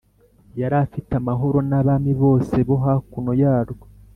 Yari afite amahoro n’abami bose bo hakuno yarwo